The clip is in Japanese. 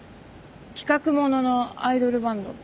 企画物のアイドルバンド。